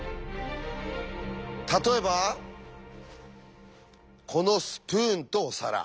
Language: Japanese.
例えばこのスプーンとお皿。